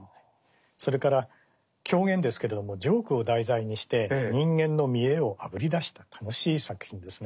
それから狂言ですけれどもジョークを題材にして人間の見栄をあぶり出した楽しい作品ですね。